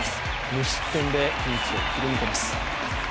無失点でピンチを切り抜けます。